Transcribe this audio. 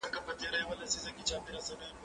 زه به اوږده موده مړۍ پخه کړې وم!.